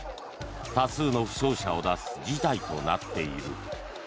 多数の負傷者を出す事態となっている。